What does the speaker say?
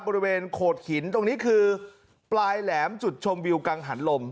บริเวณโขดหินตรงนี้คือปลายแหลมจุดชมวิวกังหันลม